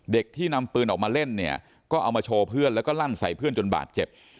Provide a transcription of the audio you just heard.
ที่นำปืนออกมาเล่นเนี่ยก็เอามาโชว์เพื่อนแล้วก็ลั่นใส่เพื่อนจนบาดเจ็บ